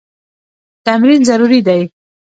تمرین ضروري دی.